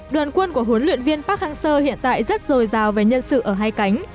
đoàn quân của huấn luyện viên park hang seo hiện tại rất dồi dào về nhân sự ở hai cánh